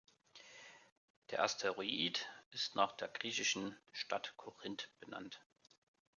Der Asteroid ist nach der griechischen Stadt Korinth benannt.